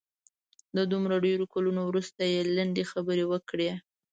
د دومره ډېرو کلونو وروسته یې لنډې خبرې وکړې.